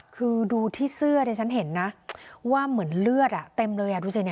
คือดูที่เสื้อดิฉันเห็นนะว่าเหมือนเลือดเต็มเลยดูสิเนี่ย